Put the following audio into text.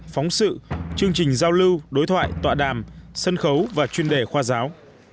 phóng sự chương trình giao lưu đối thoại tọa đàm sân khấu và chuyên đề khoa giáo